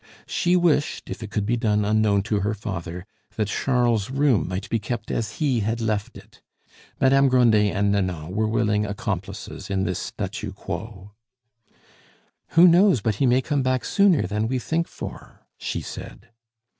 She wished, if it could be done unknown to her father, that Charles's room might be kept as he had left it. Madame Grandet and Nanon were willing accomplices in this statu quo. "Who knows but he may come back sooner than we think for?" she said.